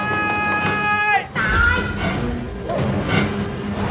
จัดเต็มให้เลย